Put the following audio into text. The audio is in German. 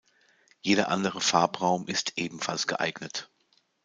Jeder andere Farbraum ist ebenfalls geeignet.